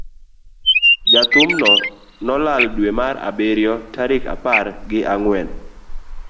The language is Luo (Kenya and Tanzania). jathum no nolal dwe mar abiriyo tarik apar gi ang'wen,